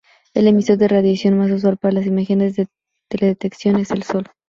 El emisor de radiación más usual para imágenes de teledetección es el Sol.